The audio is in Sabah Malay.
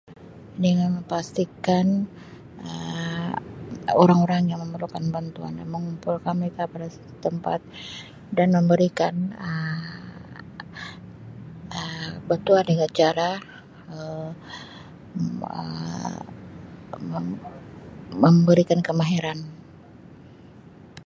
Dengan memastikan Um orang-orang yang memerlukan bantuan, mengumpulkan mereka pada suatu tempat dan memberikan Um petua dengan cara, Um mem-memberikan kemahiran.